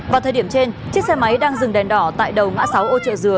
vào thời điểm trên chiếc xe máy đang dừng đèn đỏ tại đầu ngã sáu âu trợ dừa